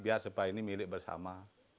biar supaya ini milik bersama